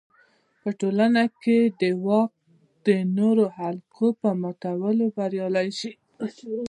په ټولنه کې د واک نورو حلقو په ماتولو بریالی شي.